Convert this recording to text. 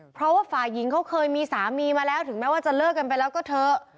เพราะว่าฝ่ายหญิงเขาเคยมีสามีมาแล้วถึงแม้ว่าจะเลิกกันไปแล้วก็เถอะ